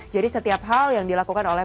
jadi setiap hal yang dilakukan oleh